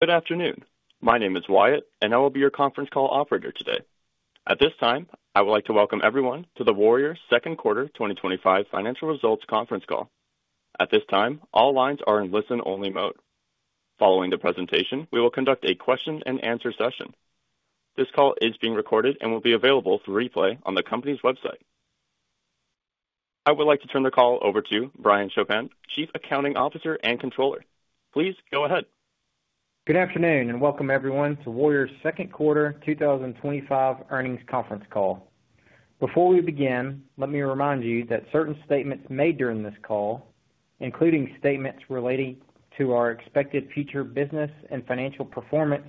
Good afternoon. My name is Wyatt, and I will be your conference call operator today. At this time, I would like to welcome everyone to the Warrior Met Coal Second Quarter 2025 Financial Results Conference Call. At this time, all lines are in listen-only mode. Following the presentation, we will conduct a question and answer session. This call is being recorded and will be available for replay on the company's website. I would like to turn the call over to Brian M. Chopin, Chief Accounting Officer and Controller. Please go ahead. Good afternoon and welcome everyone to Warrior Met Coal's Second Quarter 2025 Earnings Conference Call. Before we begin, let me remind you that certain statements made during this call, including statements relating to our expected future business and financial performance,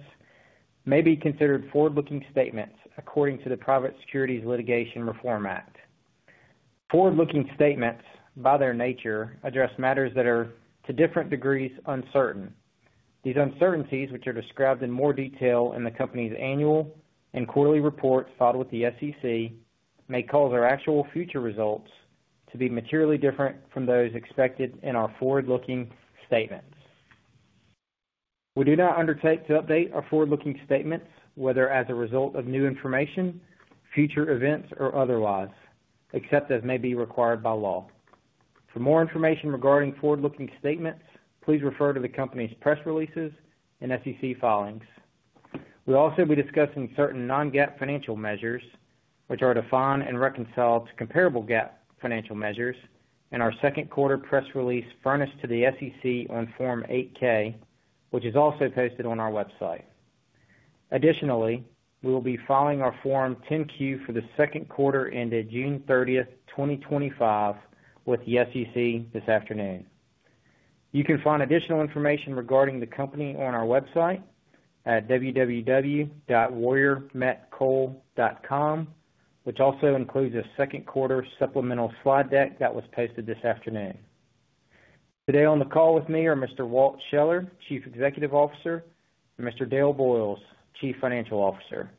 may be considered forward-looking statements according to the Private Securities Litigation Reform Act. Forward-looking statements, by their nature, address matters that are to different degrees uncertain. These uncertainties, which are described in more detail in the company's annual and quarterly reports filed with the SEC, may cause our actual future results to be materially different from those expected in our forward-looking statements. We do not undertake to update our forward-looking statements, whether as a result of new information, future events, or otherwise, except as may be required by law. For more information regarding forward-looking statements, please refer to the company's press releases and SEC filings. We will also be discussing certain non-GAAP financial measures, which are defined and reconciled to comparable GAAP financial measures, in our second quarter press release furnished to the SEC on Form 8-K, which is also posted on our website. Additionally, we will be filing our Form 10-Q for the second quarter ended June 30, 2025, with the SEC this afternoon. You can find additional information regarding the company on our website at www.warriormetcoal.com, which also includes a second quarter supplemental slide deck that was posted this afternoon. Today on the call with me are Mr. Walter J. Scheller, Chief Executive Officer, and Mr. Dale W. Boyles, Chief Financial Officer.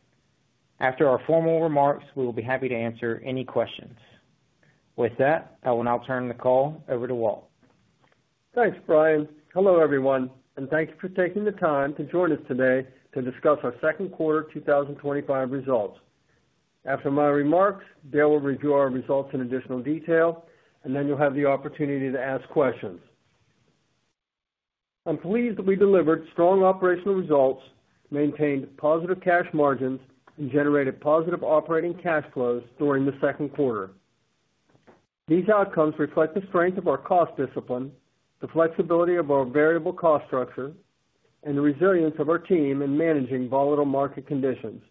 After our formal remarks, we will be happy to answer any questions. With that, I will now turn the call over to Walter. Thanks, Brian. Hello everyone, and thank you for taking the time to join us today to discuss our second quarter 2025 results. After my remarks, Dale will review our results in additional detail, and then you'll have the opportunity to ask questions. I'm pleased that we delivered strong operational results, maintained positive cash margins, and generated positive operating cash flows during the second quarter. These outcomes reflect the strength of our cost discipline, the flexibility of our variable cost structure, and the resilience of our team in managing volatile market conditions.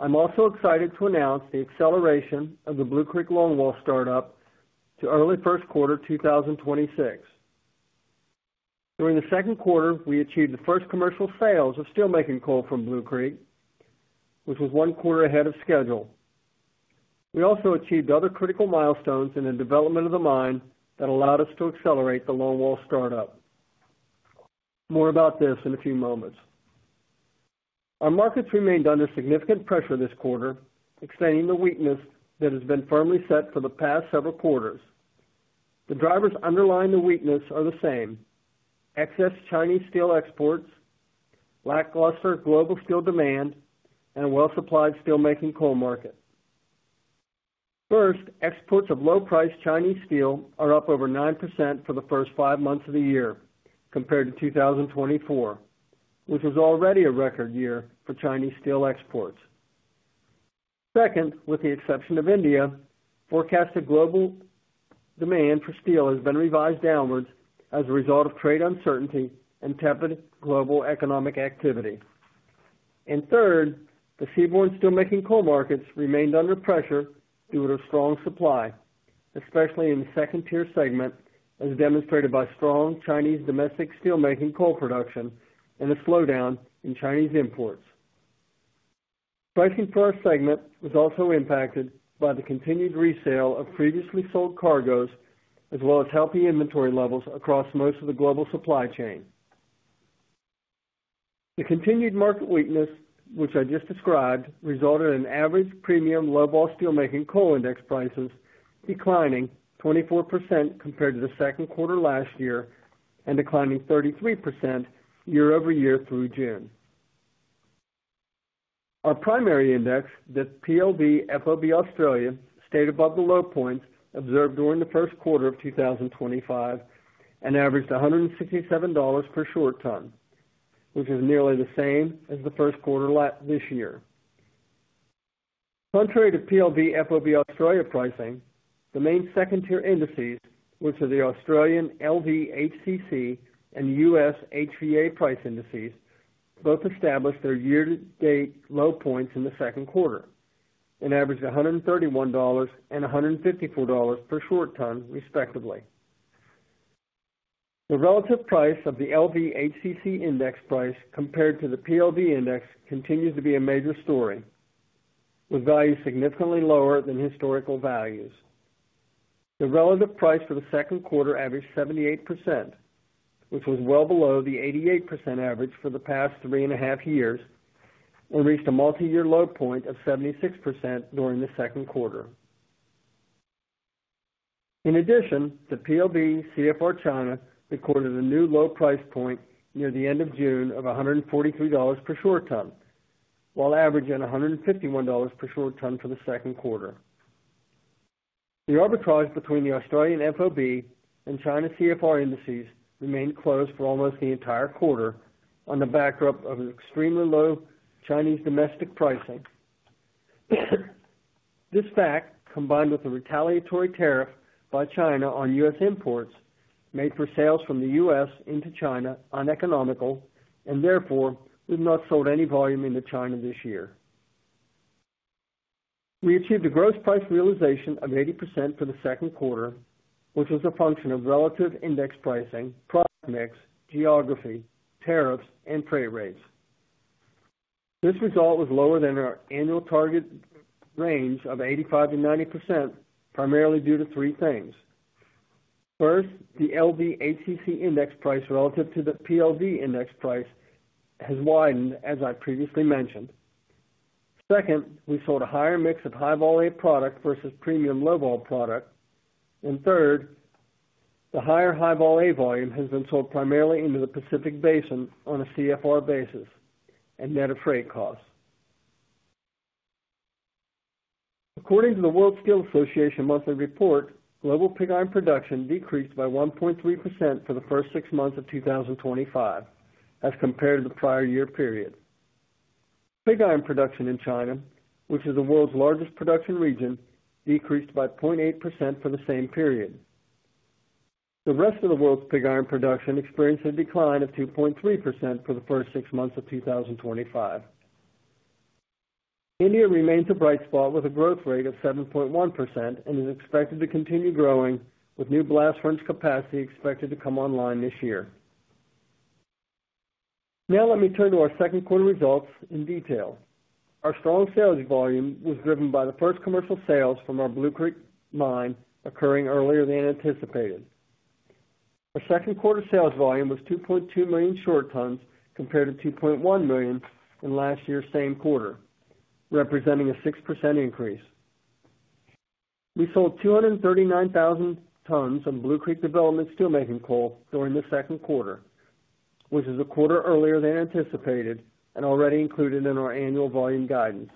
I'm also excited to announce the acceleration of the Blue Creek Long Wall startup to early first quarter 2026. During the second quarter, we achieved the first commercial sales of steelmaking coal from Blue Creek, which was one quarter ahead of schedule. We also achieved other critical milestones in the development of the mine that allowed us to accelerate the Long Wall startup. More about this in a few moments. Our markets remained under significant pressure this quarter, extending the weakness that has been firmly set for the past several quarters. The drivers underlying the weakness are the same: excess Chinese steel exports, lackluster global steel demand, and a well-supplied steelmaking coal market. First, exports of low-priced Chinese steel are up over 9% for the first five months of the year compared to 2024, which was already a record year for Chinese steel exports. Second, with the exception of India, forecasted global demand for steel has been revised downwards as a result of trade uncertainty and tepid global economic activity. Third, the seaborne steelmaking coal markets remained under pressure due to strong supply, especially in the second-tier segment, as demonstrated by strong Chinese domestic steelmaking coal production and a slowdown in Chinese imports. Pricing for our segment was also impacted by the continued resale of previously sold cargoes, as well as healthy inventory levels across most of the global supply chain. The continued market weakness, which I just described, resulted in average premium low-vol steelmaking coal index prices declining 24% compared to the second quarter last year and declining 33% year-over-year through June. Our primary index, the PLV FOB Australia, stayed above the low points observed during the first quarter of 2025 and averaged $167 per short ton, which is nearly the same as the first quarter this year. Contrary to PLV FOB Australia pricing, the main second-tier indices, which are the Australian LVHCC and U.S. HVA price indices, both established their year-to-date low points in the second quarter and averaged $131 and $154 per short ton, respectively. The relative price of the LVHCC index price compared to the PLV index continues to be a major story, with values significantly lower than historical values. The relative price for the second quarter averaged 78%, which was well below the 88% average for the past three and a half years, and reached a multi-year low point of 76% during the second quarter. In addition, the PLV CFR China recorded a new low price point near the end of June of $143 per short ton, while averaging $151 per short ton for the second quarter. The arbitrage between the Australian FOB and China CFR indices remained closed for almost the entire quarter on the backdrop of extremely low Chinese domestic pricing. This fact, combined with the retaliatory tariff by China on U.S. imports, made for sales from the U.S. into China uneconomical and therefore we have not sold any volume into China this year. We achieved a gross price realization of 80% for the second quarter, which was a function of relative index pricing, product mix, geography, tariffs, and trade rates. This result was lower than our annual target range of 85% -90%, primarily due to three things. First, the LVHCC index price relative to the PLV index price has widened, as I previously mentioned. Second, we sold a higher mix of high-vol A product versus premium low-vol product. Third, the higher high-vol A volume has been sold primarily into the Pacific Basin on a CFR basis and net of freight costs. According to the World Steel Association monthly report, global pig iron production decreased by 1.3% for the first six months of 2025, as compared to the prior year period. Pig iron production in China, which is the world's largest production region, decreased by 0.8% for the same period. The rest of the world's pig iron production experienced a decline of 2.3% for the first six months of 2025. India remains a bright spot with a growth rate of 7.1% and is expected to continue growing, with new blast furnace capacity expected to come online this year. Now let me turn to our second quarter results in detail. Our strong sales volume was driven by the first commercial sales from our Blue Creek mine occurring earlier than anticipated. Our second quarter sales volume was 2.2 million short tons compared to 2.1 million in last year's same quarter, representing a 6% increase. We sold 239,000 tons of Blue Creek Development steelmaking coal during the second quarter, which is a quarter earlier than anticipated and already included in our annual volume guidance.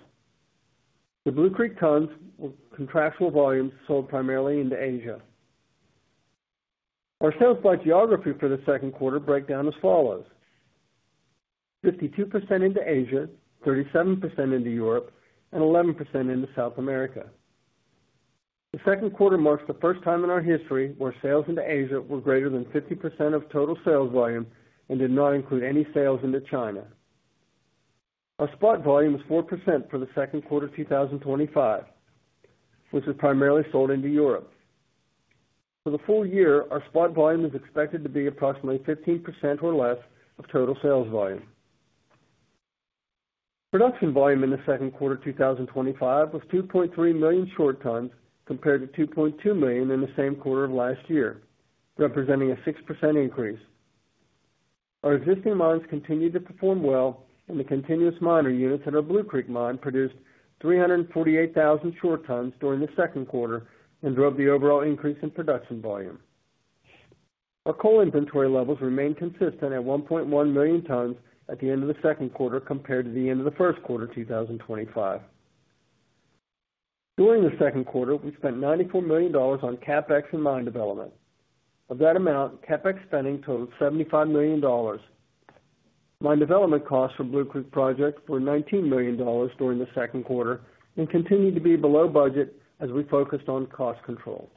The Blue Creek tons were contractual volumes sold primarily into Asia. Our sales by geography for the second quarter breakdown as follows: 52% into Asia, 37% into Europe, and 11% into South America. The second quarter marks the first time in our history where sales into Asia were greater than 50% of total sales volume and did not include any sales into China. Our spot volume is 4% for the second quarter 2025, which is primarily sold into Europe. For the full year, our spot volume is expected to be approximately 15% or less of total sales volume. Production volume in the second quarter 2025 was 2.3 million short tons compared to 2.2 million in the same quarter of last year, representing a 6% increase. Our existing mines continued to perform well, and the continuous miner units at our Blue Creek mine produced 348,000 short tons during the second quarter and drove the overall increase in production volume. Our coal inventory levels remained consistent at 1.1 million tons at the end of the second quarter compared to the end of the first quarter 2025. During the second quarter, we spent $94 million on CapEx and mine development. Of that amount, CapExspending totaled $75 million. Mine development costs for Blue Creek project were $19 million during the second quarter and continued to be below budget as we focused on cost control.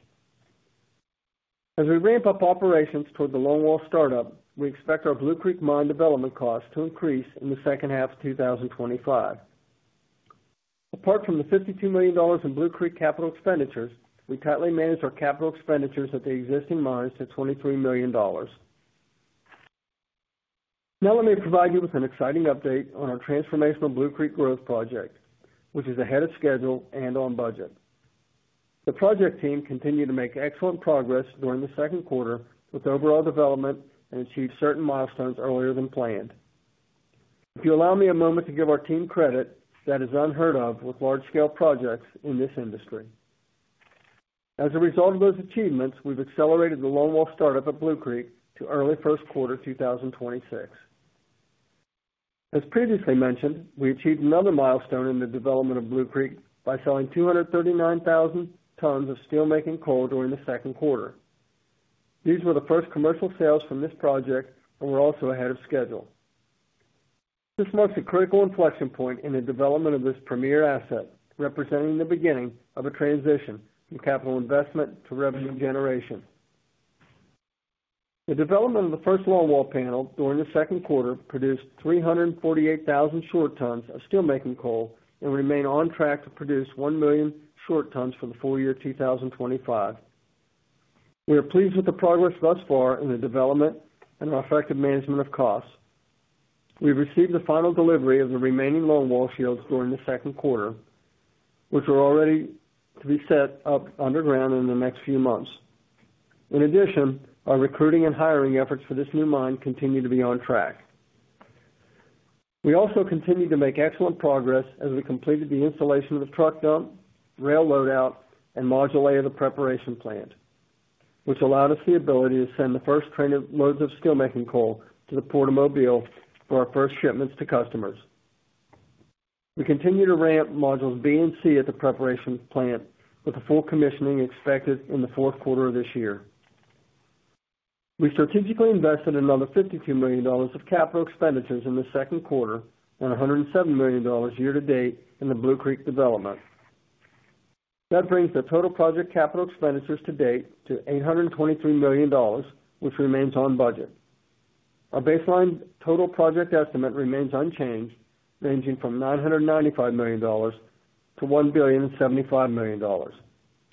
As we ramp up operations toward the Blue Creek Long Wall startup, we expect our Blue Creek mine development costs to increase in the second half of 2025. Apart from the $52 million in Blue Creek capital expenditures, we tightly manage our capital expenditures at the existing mines to $23 million. Now let me provide you with an exciting update on our transformational Blue Creek growth project, which is ahead of schedule and on budget. The project team continued to make excellent progress during the second quarter, with overall development and achieved certain milestones earlier than planned. If you allow me a moment to give our team credit, that is unheard of with large-scale projects in this industry. As a result of those achievements, we've accelerated the Long Wall startup at Blue Creek to early first quarter 2026. As previously mentioned, we achieved another milestone in the development of Blue Creek by selling 239,000 tons of steelmaking coal during the second quarter. These were the first commercial sales from this project and were also ahead of schedule. This marks a critical inflection point in the development of this premier asset, representing the beginning of a transition from capital investment to revenue generation. The development of the first Long Wall panel during the second quarter produced 348,000 short tons of steelmaking coal and remains on track to produce 1 million short tons for the full year 2025. We are pleased with the progress thus far in the development and our effective management of costs. We've received the final delivery of the remaining Long Wall shields during the second quarter, which are already to be set up underground in the next few months. In addition, our recruiting and hiring efforts for this new mine continue to be on track. We also continue to make excellent progress as we completed the installation of the truck dump, rail loadout, and module A of the preparation plant, which allowed us the ability to send the first train of loads of steelmaking coal to the port of Mobile for our first shipments to customers. We continue to ramp modules B and C at the preparation plant, with the full commissioning expected in the fourth quarter of this year. We strategically invested another $52 million of capital expenditures in the second quarter and $107 million year to date in the Blue Creek development. That brings the total project capital expenditures to date to $823 million, which remains on budget. Our baseline total project estimate remains unchanged, ranging from $995 million-$1 billion and $75 million.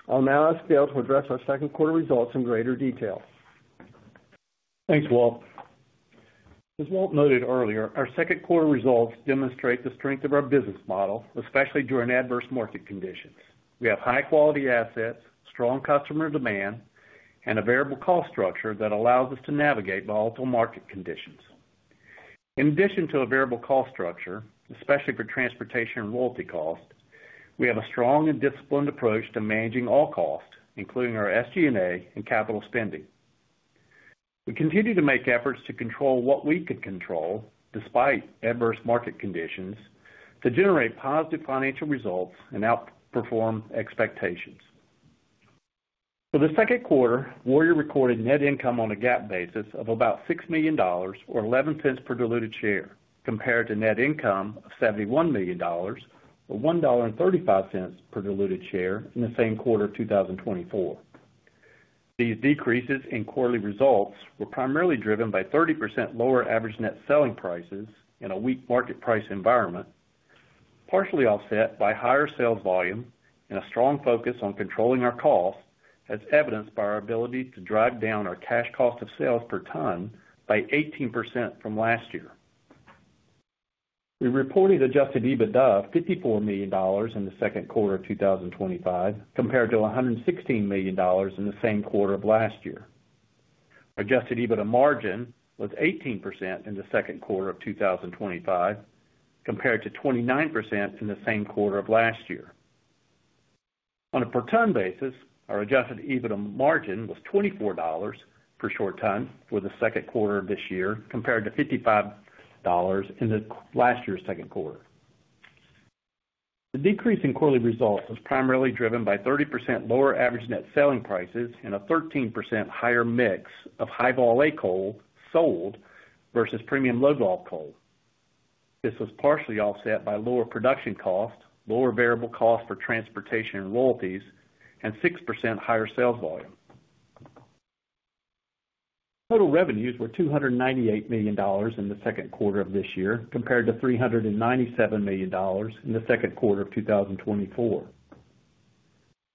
I'll now ask Dale to address our second quarter results in greater detail. Thanks, Walt. As Walt noted earlier, our second quarter results demonstrate the strength of our business model, especially during adverse market conditions. We have high-quality assets, strong customer demand, and a variable cost structure that allows us to navigate volatile market conditions. In addition to a variable cost structure, especially for transportation and royalty cost, we have a strong and disciplined approach to managing all costs, including our SG&A and capital spending. We continue to make efforts to control what we could control, despite adverse market conditions, to generate positive financial results and outperform expectations. For the second quarter, Warrior recorded net income on a GAAP basis of about $6 million or $0.11 per diluted share, compared to net income of $71 million or $1.35 per diluted share in the same quarter of 2024. These decreases in quarterly results were primarily driven by 30% lower average net selling prices in a weak market price environment, partially offset by higher sales volume and a strong focus on controlling our costs, as evidenced by our ability to drive down our cash cost of sales per ton by 18% from last year. We reported adjusted EBITDA of $54 million in the second quarter of 2025, compared to $116 million in the same quarter of last year. Our adjusted EBITDA margin was 18% in the second quarter of 2025, compared to 29% in the same quarter of last year. On a per ton basis, our adjusted EBITDA margin was $24 per short ton for the second quarter of this year, compared to $55 in last year's second quarter. The decrease in quarterly results was primarily driven by 30% lower average net selling prices and a 13% higher mix of high-vol A coal sold versus premium low-vol coal. This was partially offset by lower production costs, lower variable costs for transportation and royalties, and 6% higher sales volume. Total revenues were $298 million in the second quarter of this year, compared to $397 million in the second quarter of 2024.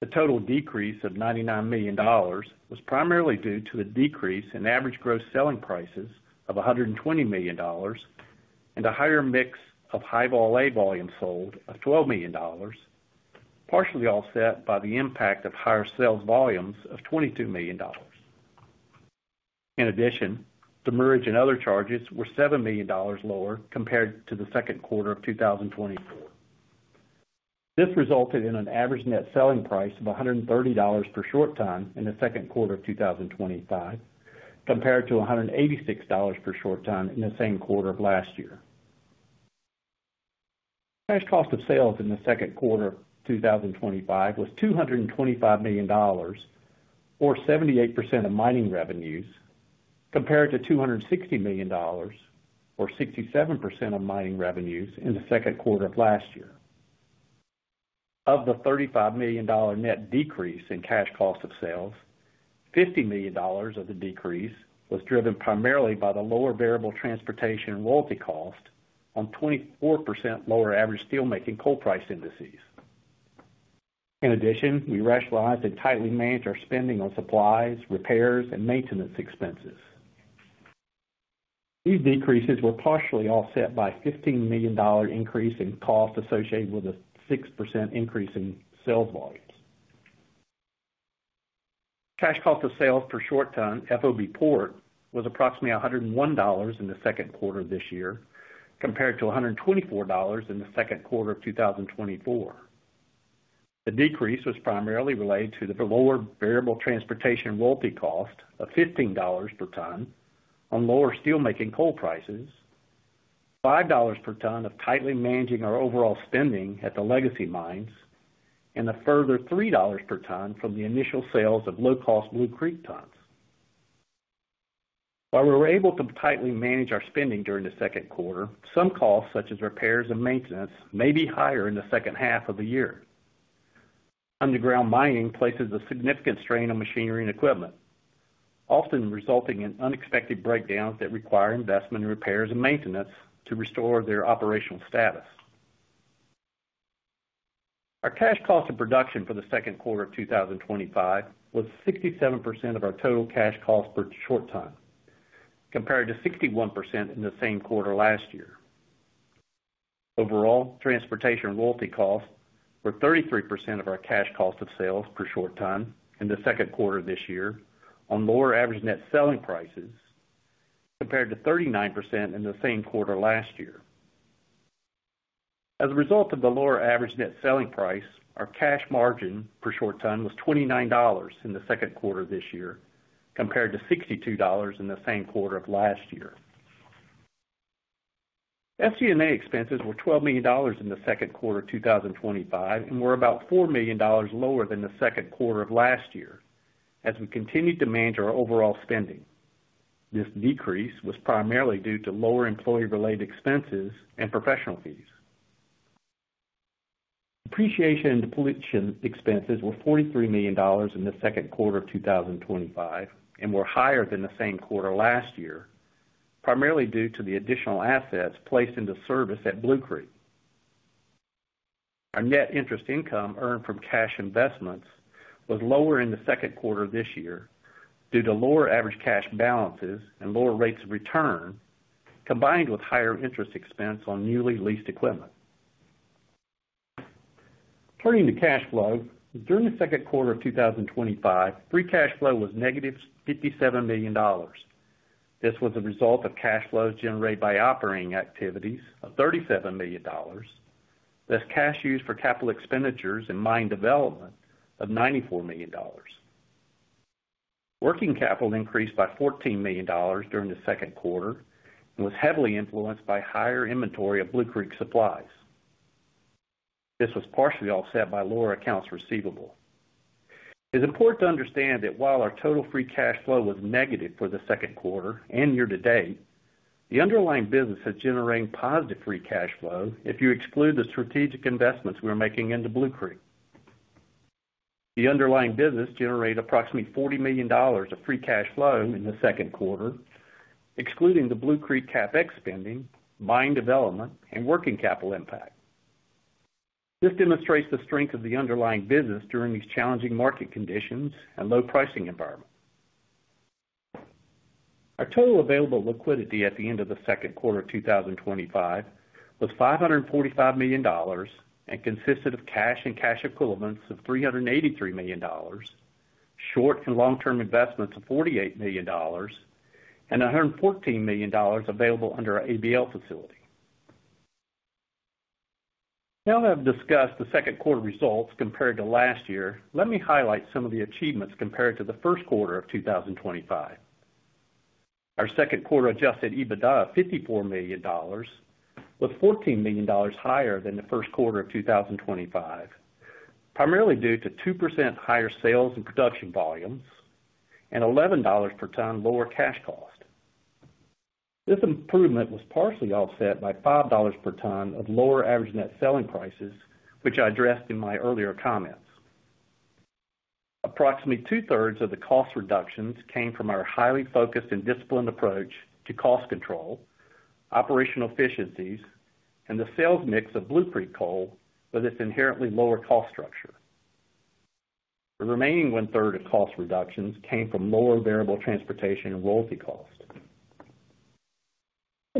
The total decrease of $99 million was primarily due to a decrease in average gross selling prices of $120 million and a higher mix of high-vol A volume sold of $12 million, partially offset by the impact of higher sales volumes of $22 million. In addition, the merger and other charges were $7 million lower compared to the second quarter of 2024. This resulted in an average net selling price of $130 per short ton in the second quarter of 2025, compared to $186 per short ton in the same quarter of last year. Cash cost of sales in the second quarter of 2025 was $225 million, or 78% of mining revenues, compared to $260 million, or 67% of mining revenues in the second quarter of last year. Of the $35 million net decrease in cash cost of sales, $50 million of the decrease was driven primarily by the lower variable transportation and loyalty cost on 24% lower average steelmaking coal price indices. In addition, we rationalized and tightly managed our spending on supplies, repairs, and maintenance expenses. These decreases were partially offset by a $15 million increase in cost associated with a 6% increase in sales volumes. Cash cost of sales per short ton FOB port was approximately $101 in the second quarter of this year, compared to $124 in the second quarter of 2024. The decrease was primarily related to the lower variable transportation loyalty cost of $15 per ton on lower steelmaking coal prices, $5 per ton of tightly managing our overall spending at the legacy mines, and a further $3 per ton from the initial sales of low-cost Blue Creek tons. While we were able to tightly manage our spending during the second quarter, some costs, such as repairs and maintenance, may be higher in the second half of the year. Underground mining places a significant strain on machinery and equipment, often resulting in unexpected breakdowns that require investment in repairs and maintenance to restore their operational status. Our cash cost of production for the second quarter of 2025 was 67% of our total cash cost per short ton, compared to 61% in the same quarter last year. Overall, transportation loyalty costs were 33% of our cash cost of sales per short ton in the second quarter of this year on lower average net selling prices, compared to 39% in the same quarter last year. As a result of the lower average net selling price, our cash margin per short ton was $29 in the second quarter of this year, compared to $62 in the same quarter of last year. FG&A expenses were $12 million in the second quarter of 2025 and were about $4 million lower than the second quarter of last year as we continued to manage our overall spending. This decrease was primarily due to lower employee-related expenses and professional fees. Depreciation and depletion expenses were $43 million in the second quarter of 2025 and were higher than the same quarter last year, primarily due to the additional assets placed into service at Blue Creek. Our net interest income earned from cash investments was lower in the second quarter of this year due to lower average cash balances and lower rates of return, combined with higher interest expense on newly leased equipment. Turning to cash flow, during the second quarter of 2025, free cash flow was negative $57 million. This was a result of cash flows generated by operating activities of $37 million, thus cash used for capital expenditures and mine development of $94 million. Working capital increased by $14 million during the second quarter and was heavily influenced by higher inventory of Blue Creek supplies. This was partially offset by lower accounts receivable. It is important to understand that while our total free cash flow was negative for the second quarter and year to date, the underlying business is generating positive free cash flow if you exclude the strategic investments we are making into Blue Creek. The underlying business generated approximately $40 million of free cash flow in the second quarter, excluding the Blue Creek capital expenditures spending, mine development, and working capital impact. This demonstrates the strength of the underlying business during these challenging market conditions and low pricing environments. Our total available liquidity at the end of the second quarter of 2025 was $545 million and consisted of cash and cash equivalents of $383 million, short and long-term investments of $48 million, and $114 million available under our ABL facility. Now that I've discussed the second quarter results compared to last year, let me highlight some of the achievements compared to the first quarter of 2025. Our second quarter adjusted EBITDA of $54 million was $14 million higher than the first quarter of 2025, primarily due to 2% higher sales and production volumes and $11 per ton lower cash cost. This improvement was partially offset by $5 per ton of lower average net selling prices, which I addressed in my earlier comments. Approximately two-thirds of the cost reductions came from our highly focused and disciplined approach to cost control, operational efficiencies, and the sales mix of Blue Creek coal for this inherently lower cost structure. The remaining one-third of cost reductions came from lower variable transportation and loyalty cost.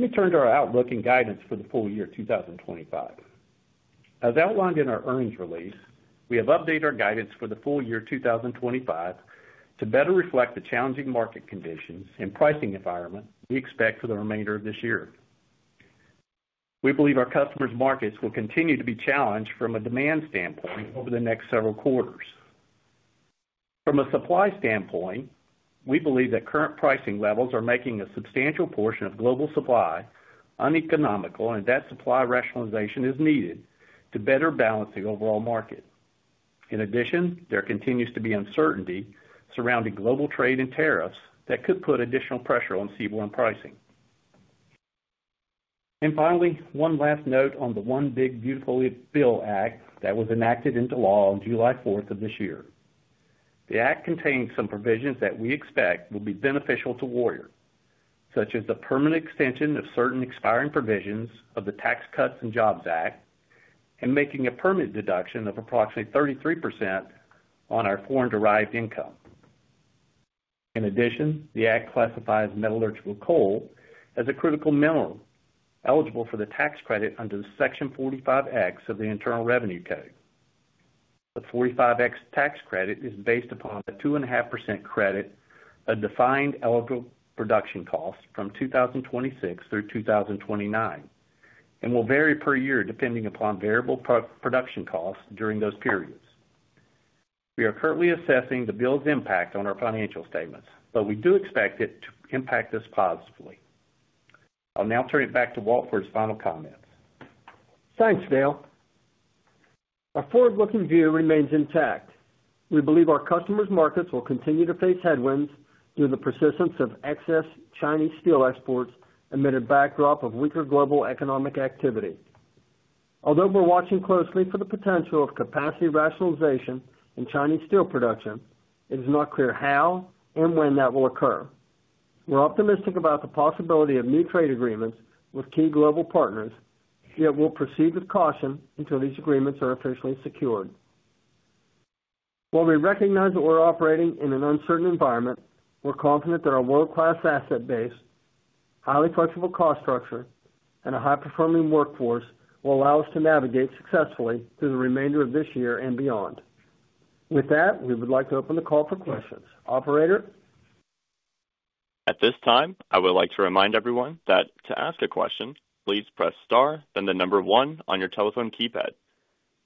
Let me turn to our outlook and guidance for the full year 2025. As outlined in our earnings release, we have updated our guidance for the full year 2025 to better reflect the challenging market conditions and pricing environment we expect for the remainder of this year. We believe our customers' markets will continue to be challenged from a demand standpoint over the next several quarters. From a supply standpoint, we believe that current pricing levels are making a substantial portion of global supply uneconomical, and that supply rationalization is needed to better balance the overall market. In addition, there continues to be uncertainty surrounding global trade and tariffs that could put additional pressure on seaborne pricing. Finally, one last note on the One Big Beautiful Bill Act that was enacted into law on July 4, 2024. The act contains some provisions that we expect will be beneficial to Warrior Met Coal, such as the permanent extension of certain expiring provisions of the Tax Cuts and Jobs Act and making a permanent deduction of approximately 33% on our foreign derived income. In addition, the act classifies metallurgical coal as a critical mineral eligible for the tax credit under Section 45X of the Internal Revenue Code. The 45X tax credit is based upon the 2.5% credit of defined eligible production costs from 2026 through 2029 and will vary per year depending upon variable production costs during those periods. We are currently assessing the bill's impact on our financial statements, but we do expect it to impact us positively. I'll now turn it back to Walt for his final comments. Thanks, Dale. Our forward-looking view remains intact. We believe our customers' markets will continue to face headwinds due to the persistence of excess Chinese steel exports amid a backdrop of weaker global economic activity. Although we're watching closely for the potential of capacity rationalization in Chinese steel production, it is not clear how and when that will occur. We're optimistic about the possibility of new trade agreements with key global partners, yet we'll proceed with caution until these agreements are officially secured. While we recognize that we're operating in an uncertain environment, we're confident that our world-class asset base, highly flexible cost structure, and a high-performing workforce will allow us to navigate successfully through the remainder of this year and beyond. With that, we would like to open the call for questions. Operator? At this time, I would like to remind everyone that to ask a question, please press star, then the number one on your telephone keypad.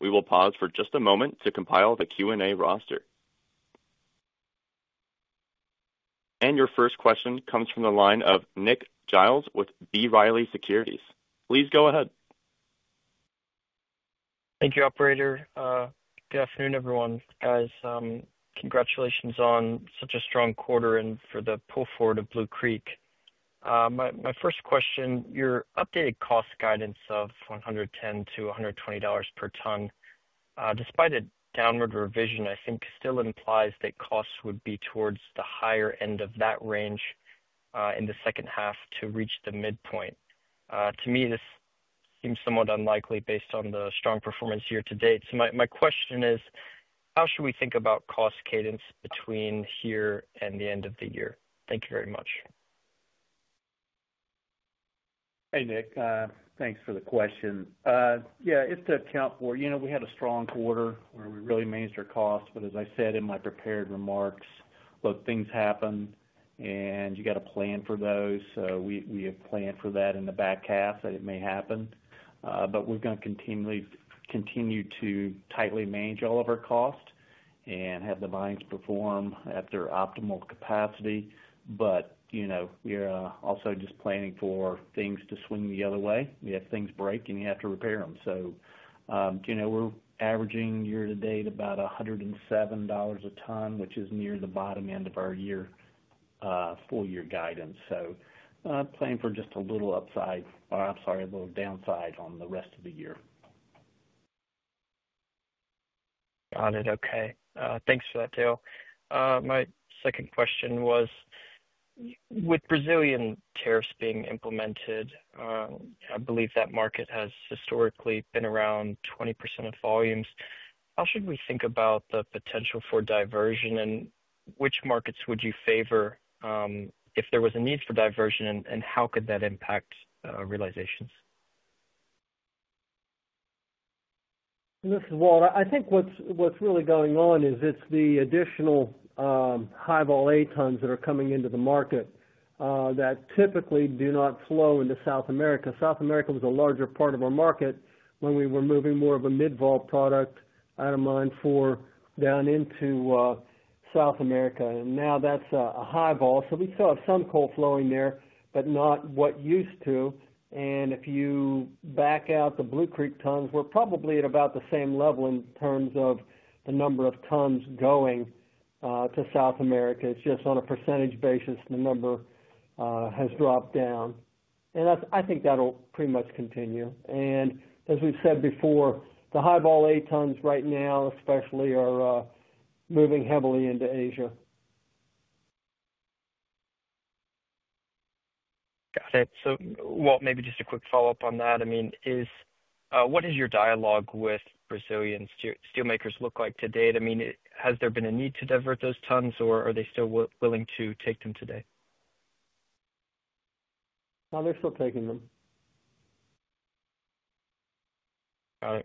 We will pause for just a moment to compile the Q&A roster. Your first question comes from the line of Nick Giles with B. Riley Securities. Please go ahead. Thank you, Operator. Good afternoon, everyone. Guys, congratulations on such a strong quarter and for the pull forward of Blue Creek. My first question, your updated cost guidance of $110 per ton-$120 per ton, despite a downward revision, I think still implies that costs would be towards the higher end of that range in the second half to reach the midpoint. To me, this seems somewhat unlikely based on the strong performance year to date. My question is, how should we think about cost cadence between here and the end of the year? Thank you very much. Hey, Nick. Thanks for the question. Yeah, it's to account for, you know, we had a strong quarter where we really managed our costs, but as I said in my prepared remarks, look, things happen and you got to plan for those. We have planned for that in the back half that it may happen. We're going to continue to tightly manage all of our costs and have the mines perform at their optimal capacity. We're also just planning for things to swing the other way. You have things break and you have to repair them. We're averaging year to date about $107 a ton, which is near the bottom end of our full year guidance. Plan for just a little upside, or I'm sorry, a little downside on the rest of the year. Got it. Okay. Thanks for that, Dale. My second question was, with Brazilian tariffs being implemented, I believe that market has historically been around 20% of volumes. How should we think about the potential for diversion and which markets would you favor if there was a need for diversion, and how could that impact realizations? This is Walter. I think what's really going on is it's the additional high-vol A tons that are coming into the market that typically do not flow into South America. South America was a larger part of our market when we were moving more of a mid-vol product out of Mine 4 down into South America. Now that's a high-vol. We still have some coal flowing there, but not what used to. If you back out the Blue Creek tons, we're probably at about the same level in terms of the number of tons going to South America. It's just on a percentage basis, the number has dropped down. I think that'll pretty much continue. As we've said before, the high-vol A tons right now, especially, are moving heavily into Asia. Got it. Walt, maybe just a quick follow-up on that. What does your dialogue with Brazilian steelmakers look like to date? Has there been a need to divert those tons, or are they still willing to take them today? No, they're still taking them. I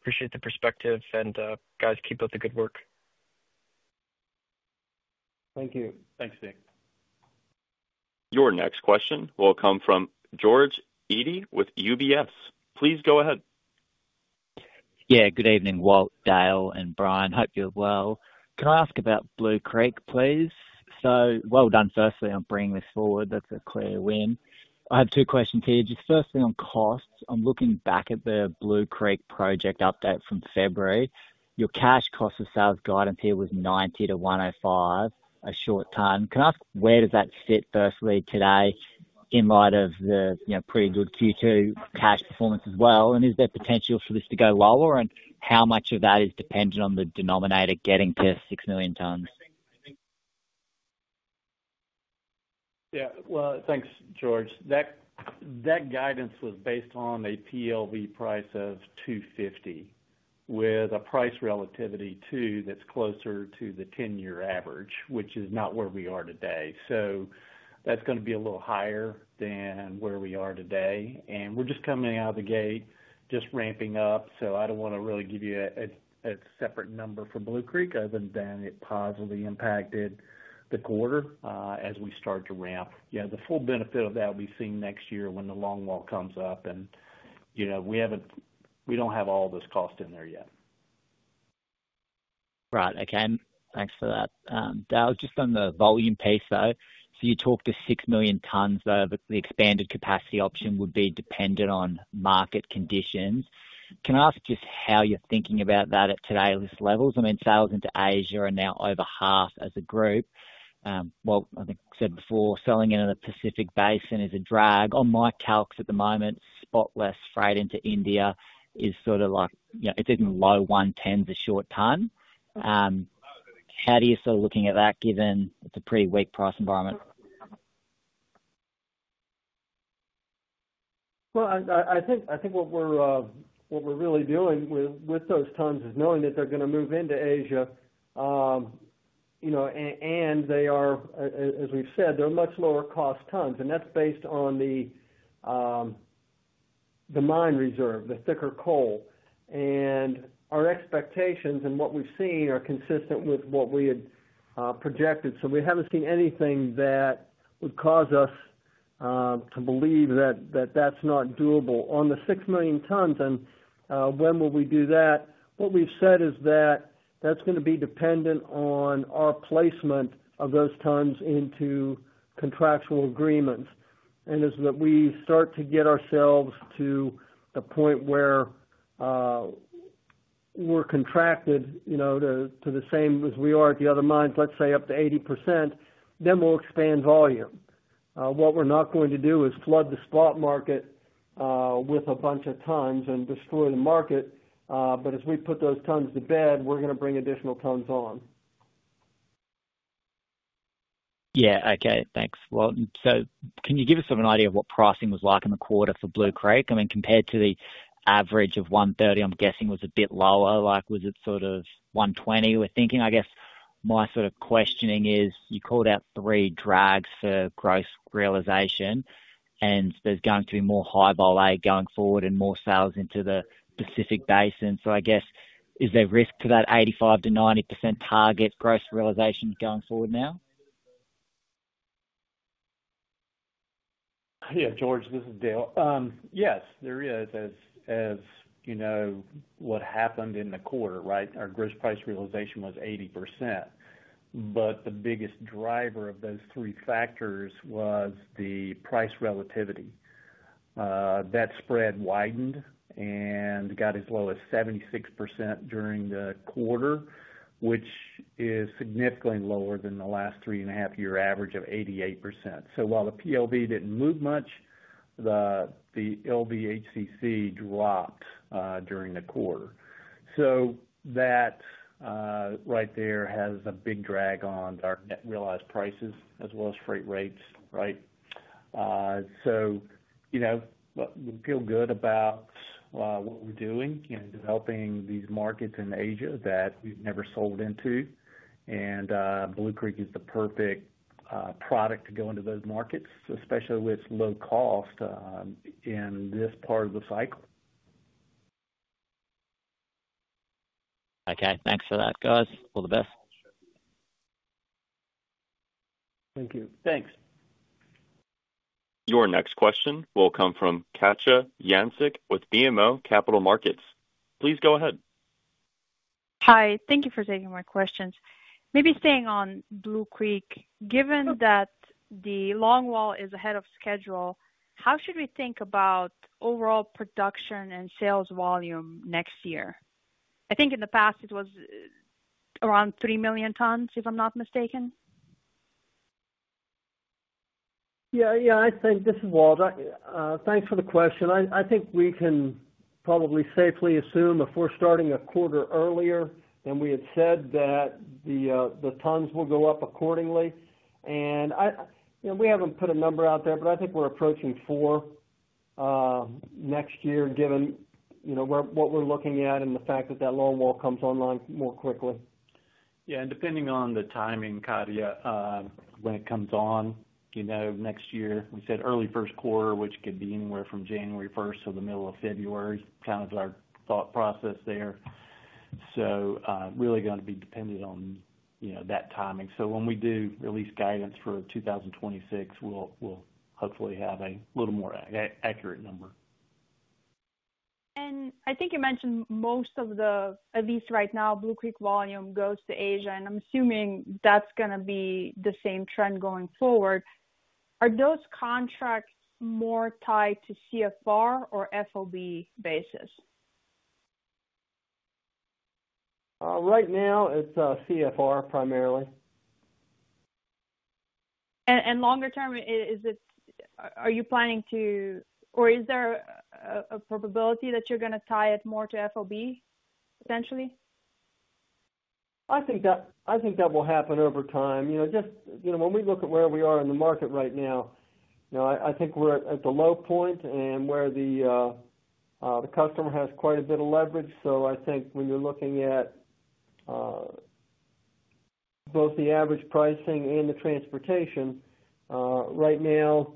appreciate the perspective, and guys, keep up the good work. Thank you. Thanks, Nick. Your next question will come from George Eadie with UBS. Please go ahead. Good evening, Walt, Dale, and Brian. Hope you're well. Can I ask about Blue Creek, please? Well done, firstly, on bringing this forward. That's a clear win. I have two questions here. Firstly, on costs, I'm looking back at the Blue Creek project update from February. Your cash cost of sales guidance here was $90 to $105 a short ton. Can I ask, where does that fit today in light of the pretty good Q2 cash performance as well? Is there potential for this to go lower? How much of that is dependent on the denominator getting past 6 million tons? Thank you, George. That guidance was based on a PLV price of $250, with a price relativity that's closer to the 10-year average, which is not where we are today. That is going to be a little higher than where we are today. We are just coming out of the gate, just ramping up. I do not want to really give you a separate number for Blue Creek other than it positively impacted the quarter as we start to ramp. The full benefit of that will be seen next year when the Blue Creek Long Wall comes up. We have not, we do not have all this cost in there yet. Right. Okay. Thanks for that. Dale, just on the volume piece though. You talked to 6 million tons, though the expanded capacity option would be dependent on market conditions. Can I ask just how you're thinking about that at today's levels? Sales into Asia are now over 50% as a group. I think I said before, selling into the Pacific Basin is a drag. On my calcs at the moment, spotless freight into India is sort of like, you know, it's even low $110 a short ton. How do you sort of look at that given it's a pretty weak price environment? I think what we're really doing with those tons is knowing that they're going to move into Asia. They are, as we've said, much lower cost tons. That's based on the mine reserve, the thicker coal. Our expectations and what we've seen are consistent with what we had projected. We haven't seen anything that would cause us to believe that that's not doable. On the 6 million tons, and when will we do that? What we've said is that that's going to be dependent on our placement of those tons into contractual agreements. As we start to get ourselves to the point where we're contracted to the same as we are at the other mines, let's say up to 80%, then we'll expand volume. We're not going to flood the spot market with a bunch of tons and destroy the market. As we put those tons to bed, we're going to bring additional tons on. Okay, thanks. Can you give us sort of an idea of what pricing was like in the quarter for Blue Creek? I mean, compared to the average of $130, I'm guessing it was a bit lower. Like, was it sort of $120 we're thinking? My sort of questioning is you called out three drags for gross realization, and there's going to be more high-vol A going forward and more sales into the Pacific Basin. I guess, is there risk to that 85%-90% target gross realization going forward now? Yeah, George, this is Dale. Yes, there is, as you know, what happened in the quarter, right? Our gross price realization was 80%. The biggest driver of those three factors was the price relativity. That spread widened and got as low as 76% during the quarter, which is significantly lower than the last three and a half year average of 88%. While the PLV didn't move much, the LVHCC dropped during the quarter. That right there has a big drag on our net realized prices as well as freight rates, right? We feel good about what we're doing in developing these markets in Asia that we've never sold into. Blue Creek is the perfect product to go into those markets, especially with low cost in this part of the cycle. Okay, thanks for that, guys. All the best. Thank you. Thanks. Your next question will come from Katja Jancic with BMO Capital Markets. Please go ahead. Hi, thank you for taking my questions. Maybe staying on Blue Creek, given that the Long Wall is ahead of schedule, how should we think about overall production and sales volume next year? I think in the past it was around 3 million tons, if I'm not mistaken. Yeah, I think this is Walter. Thanks for the question. I think we can probably safely assume if we're starting a quarter earlier and we had said that the tons will go up accordingly. I, you know, we haven't put a number out there, but I think we're approaching four next year, given what we're looking at and the fact that that Long Wall comes online more quickly. Yeah, depending on the timing, Katja, when it comes on next year, we said early first quarter, which could be anywhere from January 1 to the middle of February is kind of our thought process there. It is really going to be dependent on that timing. When we do release guidance for 2026, we'll hopefully have a little more accurate number. I think you mentioned most of the, at least right now, Blue Creek volume goes to Asia, and I'm assuming that's going to be the same trend going forward. Are those contracts more tied to CFR or FOB basis? Right now, it's CFR primarily. Is it, are you planning to, or is there a probability that you're going to tie it more to FOB potentially? I think that will happen over time. When we look at where we are in the market right now, I think we're at the low point and where the customer has quite a bit of leverage. I think when you're looking at both the average pricing and the transportation, right now,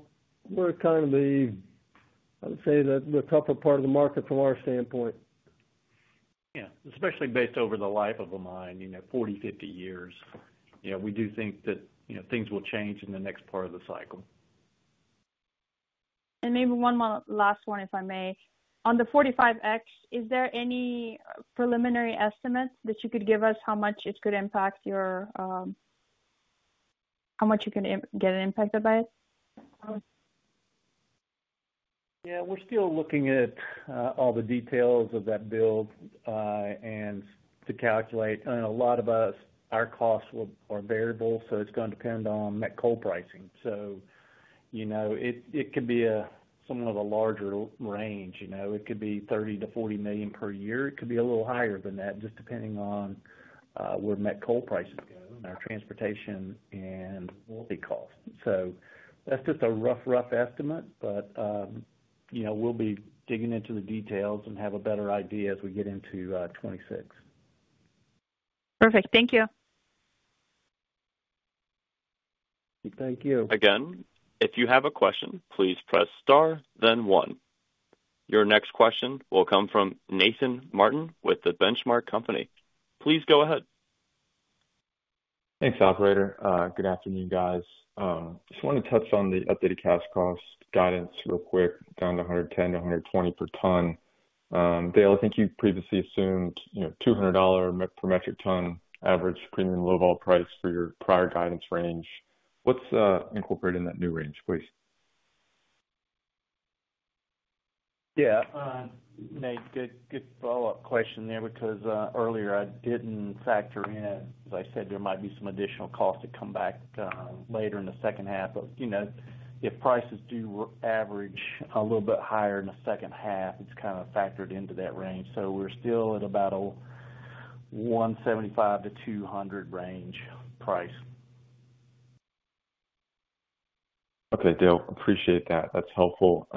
we're kind of in the tougher part of the market from our standpoint. Yeah, especially based over the life of a mine, you know, 40, 50 years. We do think that, you know, things will change in the next part of the cycle. Maybe one last one, if I may. On the Section 45X tax credits, is there any preliminary estimate that you could give us how much it could impact your, how much you can get impacted by it? Yeah, we're still looking at all the details of that build to calculate, and a lot of us, our costs are variable, so it's going to depend on net coal pricing. It could be somewhat of a larger range. It could be $30 million per year-$40 million per year. It could be a little higher than that, just depending on where net coal prices go and our transportation and royalty costs. That's just a rough, rough estimate, but we'll be digging into the details and have a better idea as we get into 2026. Perfect. Thank you. Thank you. Again, if you have a question, please press star, then one. Your next question will come from Nathan Martin with the Benchmark Company. Please go ahead. Thanks, Operator. Good afternoon, guys. I just want to touch on the updated cash cost guidance real quick, down to $110 per ton-$120 per ton. Dale, I think you previously assumed, you know, $200 per metric ton average premium low-vol price for your prior guidance range. What's incorporated in that new range, please? Yeah, Nate, good follow-up question there, because earlier I didn't factor in, as I said, there might be some additional costs that come back later in the second half. If prices do average a little bit higher in the second half, it's kind of factored into that range. We're still at about a $175-$200 range price. Okay, Dale, appreciate that. That's helpful.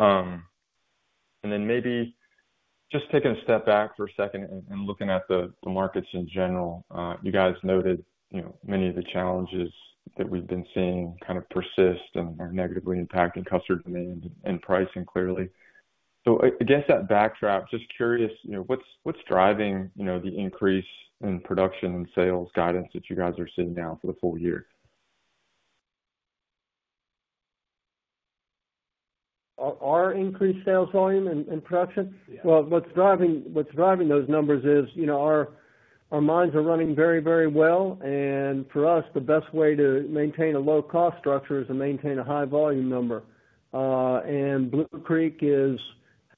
Maybe just taking a step back for a second and looking at the markets in general. You guys noted, you know, many of the challenges that we've been seeing kind of persist and are negatively impacting customer demand and pricing clearly. I guess that backtrack, just curious, you know, what's driving, you know, the increase in production and sales guidance that you guys are seeing now for the full year? Our increased sales volume and production? What's driving those numbers is, you know, our mines are running very, very well. For us, the best way to maintain a low cost structure is to maintain a high volume number. Blue Creek has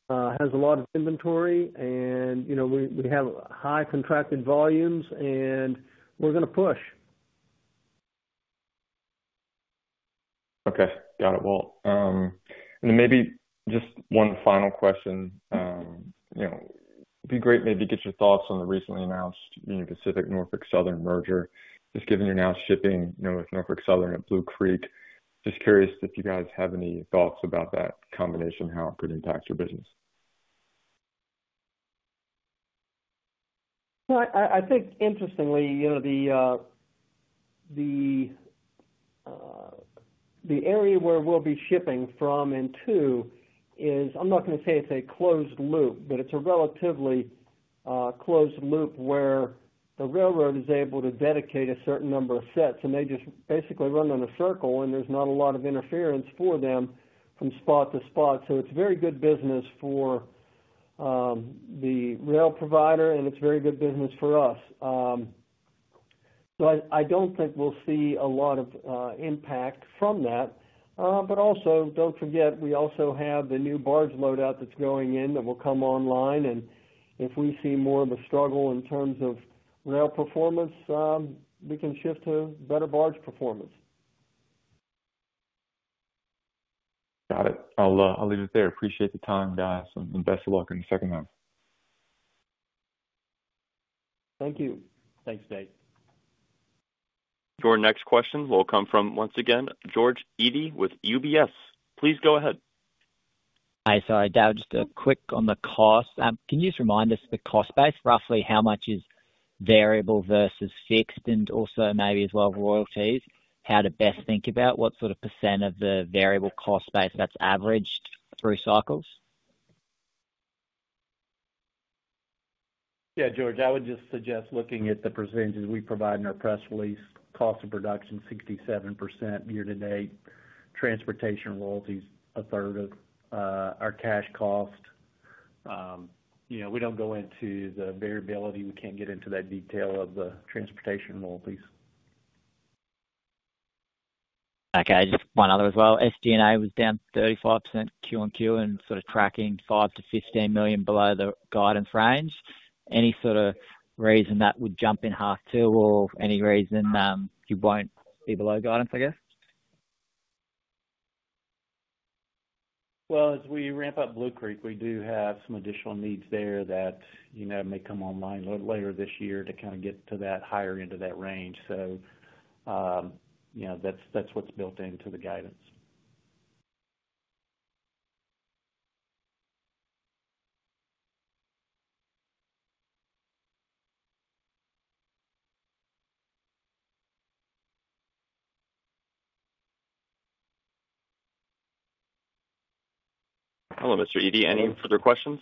a lot of inventory, and you know, we have high contracted volumes, and we're going to push. Okay, got it, Walt. Maybe just one final question. It'd be great to get your thoughts on the recently announced Union Pacific-Norfolk Southern merger, just given you're now shipping with Norfolk Southern at Blue Creek. Just curious if you guys have any thoughts about that combination, how it could impact your business. No, I think interestingly, you know, the area where we'll be shipping from and to is, I'm not going to say it's a closed loop, but it's a relatively closed loop where the railroad is able to dedicate a certain number of sets, and they just basically run on a circle, and there's not a lot of interference for them from spot to spot. It is very good business for the rail provider, and it's very good business for us. I don't think we'll see a lot of impact from that. Also, don't forget, we also have the new barge loadout that's going in that will come online. If we see more of a struggle in terms of rail performance, we can shift to better barge performance. Got it. I'll leave it there. Appreciate the time, guys, and best of luck in the second half. Thank you. Thanks, Nate. Your next question will come from, once again, George Eadie with UBS. Please go ahead. Hi, sorry, Dale, just a quick on the cost. Can you just remind us the cost base, roughly how much is variable versus fixed, and also maybe as well as royalties, how to best think about what sort of percent of the variable cost base that's averaged through cycles? Yeah, George, I would just suggest looking at the percentages we provide in our press release. Cost of production, 67% year to date. Transportation royalties, a third of our cash cost. You know, we don't go into the variability. We can't get into that detail of the transportation royalties. Okay, just one other as well. SG&A was down 34% Q1Q and sort of tracking $5 million-$15 million below the guidance range. Any sort of reason that would jump in half too, or any reason you won't be below guidance, I guess? As we ramp up Blue Creek, we do have some additional needs there that may come online later this year to kind of get to that higher end of that range. That's what's built into the guidance. Hello, Mr. Eadie, any further questions?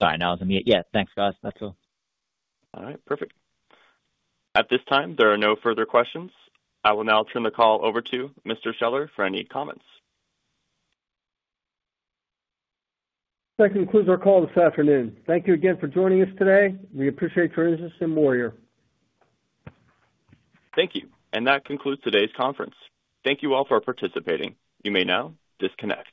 Sorry, no, I was on mute. Yeah, thanks, guys. That's all. All right, perfect. At this time, there are no further questions. I will now turn the call over to Mr. Scheller for any comments. That concludes our call this afternoon. Thank you again for joining us today. We appreciate your interest in Warrior. Thank you, and that concludes today's conference. Thank you all for participating. You may now disconnect.